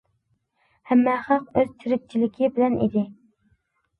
ھەممە خەق ئۆز تىرىكچىلىكى بىلەن ئىدى.